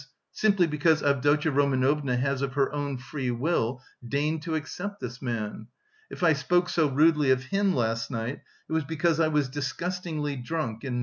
simply because Avdotya Romanovna has of her own free will deigned to accept this man. If I spoke so rudely of him last night, it was because I was disgustingly drunk and...